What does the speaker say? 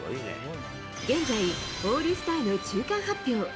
現在、オールスターの中間発表。